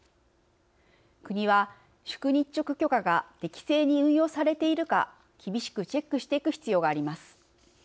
国は、宿日直許可が適正に運用されているか厳しくチェックしていく必要があります。